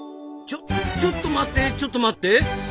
ちょちょっと待ってちょっと待って。